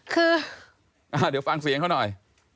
คือเดี๋ยวฟังเสียงเขาหน่อย